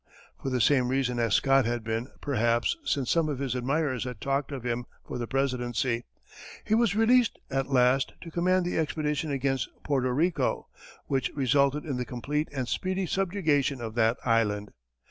For the same reason as Scott had been, perhaps, since some of his admirers had talked of him for the presidency. He was released, at last, to command the expedition against Porto Rico, which resulted in the complete and speedy subjugation of that island.